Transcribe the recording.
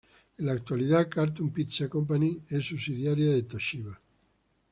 En la actualidad Cartoon Pizza Company es subsidiaria de Toshiba.